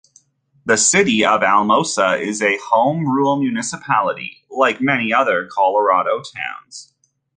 The city of Alamosa is a Home Rule Municipality like many other Colorado towns.